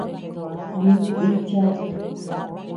Din bíchad.